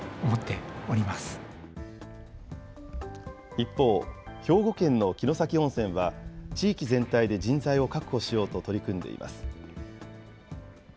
一方、兵庫県の城崎温泉は地域全体で人材を確保しようと取り組んでいます。